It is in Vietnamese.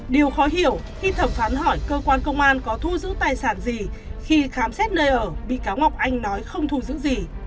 điều khó hiểu khi thẩm phán hỏi cơ quan công an có thu giữ tài sản gì khi khám xét nơi ở bị cáo ngọc anh nói không thu giữ gì